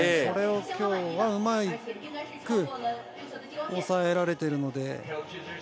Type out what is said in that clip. それを今日はうまく抑えられているので。